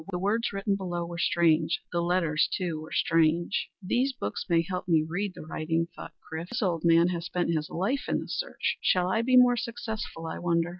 The words written below were strange; the letters too were strange. "These books may help me read the writing," thought Chrif. "This old man has spent his life in the search. Shall I be more successful I wonder?"